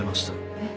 えっ？